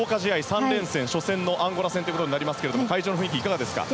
３連戦初戦のアンゴラ戦となりますが会場の雰囲気いかがですか？